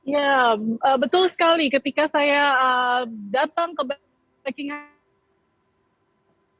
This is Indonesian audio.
ya betul sekali ketika saya datang ke buckingham palace